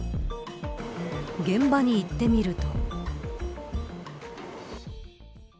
現場に行ってみると。